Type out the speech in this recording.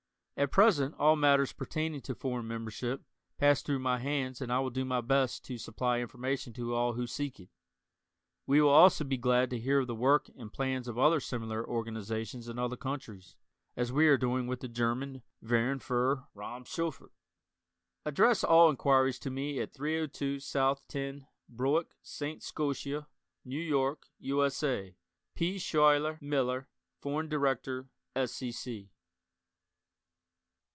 At present all matters pertaining to foreign membership pass through my hands and I will do my best to supply information to all who seek it. We will also be glad to hear of the work and plans of other similar organizations in other countries, as we are doing with the German Verein für Raumschauffert. Address all inquiries to me at 302 So. Ten Broeck St., Scotia, New York, U. S. A. P. Schuyler Miller, Foreign Director, S. C.